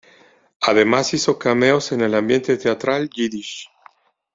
Además hizo cameos en el ambiente teatral Yiddish.